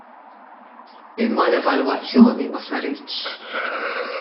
Imma l-evalwazzjoni ma saritx.